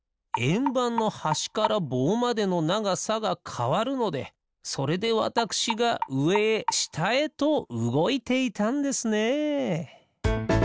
えんばんのはしからぼうまでのながさがかわるのでそれでわたくしがうえへしたへとうごいていたんですね。